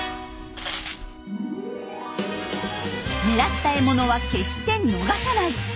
狙った獲物は決して逃さない。